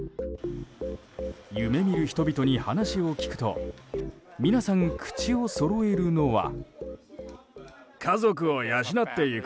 夢見る人々に話を聞くと皆さん、口をそろえるのは。